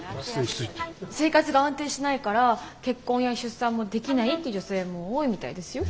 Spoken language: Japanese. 生活が安定しないから結婚や出産もできないって女性も多いみたいですよ。